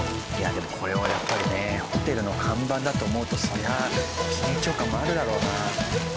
でもこれはやっぱりねホテルの看板だと思うとそりゃあ緊張感もあるだろうな。